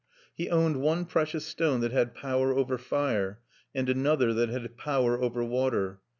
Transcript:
He owned one precious stone that had power over fire, and another that had power over water.